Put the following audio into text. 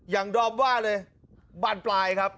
อย่างดอมว่าเลยบ้านปลายครับ